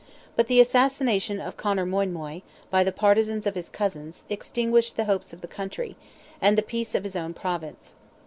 But the assassination of Conor Moinmoy, by the partizans of his cousins, extinguished the hopes of the country, and the peace of his own province.